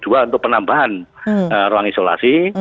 untuk penambahan ruang isolasi